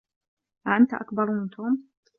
أأنت أكبر من توم؟